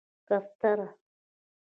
🕊 کفتره